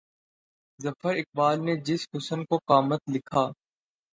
ظفر اقبال نے جس حُسن کو قامت لکھا